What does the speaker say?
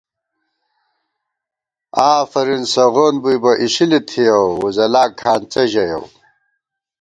آفرین سغون بُوئی بہ اِشِلی تھِیَؤ، وُزَلاں کھانڅہ ژَیَؤ